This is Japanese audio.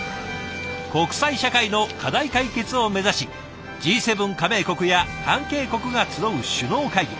国際社会の課題解決を目指しＧ７加盟国や関係国が集う首脳会議。